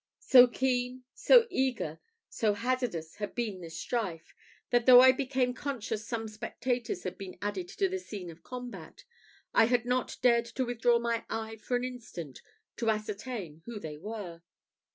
So keen, so eager, so hazardous had been the strife, that though I became conscious some spectators had been added to the scene of combat, I had not dared to withdraw my eye for an instant to ascertain who they were.